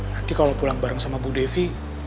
nanti kalau pulang bareng sama bu devi